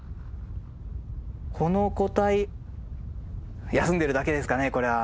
この個体休んでるだけですかねこれは。